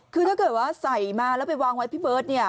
คือถ้าเกิดว่าใส่มาแล้วไปวางไว้พี่เบิร์ตเนี่ย